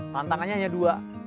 tantangannya hanya dua